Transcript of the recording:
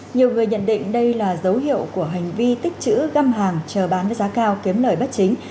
nhiều người nhận định đây là dấu hiệu của hành vi tích chữ găm hàng chờ bán với giá cao kiếm lời bất chính